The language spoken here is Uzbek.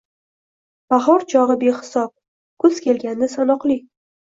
Bahor chog’i-behisob. Kuz kelganda-sanoqli.